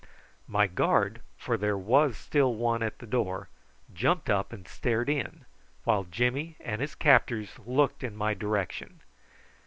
My guard, for there was still one at the door, jumped up and stared in, while Jimmy and his captors looked in my direction.